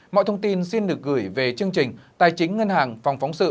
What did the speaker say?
mọi thông tin xin được gửi về chương trình tài chính ngân hàng phòng phóng sự